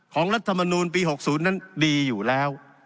รัฐมนูลปี๖๐นั้นดีอยู่แล้ว